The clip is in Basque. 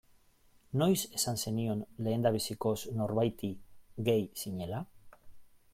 Noiz esan zenion lehendabizikoz norbaiti gay zinela.